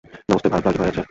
নমস্তে, ভারত লালজি ঘরে আছে?